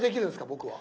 僕は？